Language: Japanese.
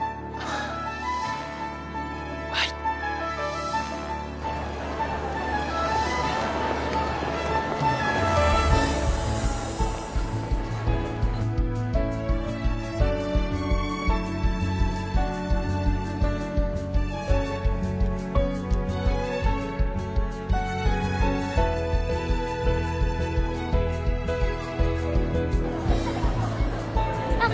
はいあっ